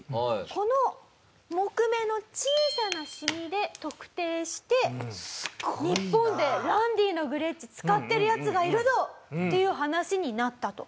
この木目の小さなシミで特定して「日本でランディのグレッチ使ってるヤツがいるぞ！」っていう話になったと。